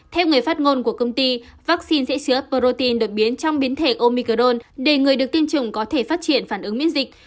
theo người phát ngôn của công ty vaccine sẽ chứa protein đột biến trong biến thể omicrone để người được tiêm chủng có thể phát triển phản ứng miễn dịch